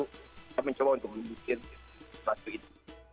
kita mencoba untuk membuat sesuatu ini